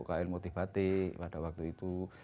kl motif batik pada waktu itu